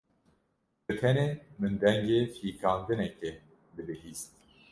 Bi tenê min dengê fîkandinekê dibihîst.